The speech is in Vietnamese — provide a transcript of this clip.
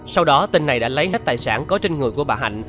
sau đó tên này đã lấy hết tài sản có trên người của bà hạnh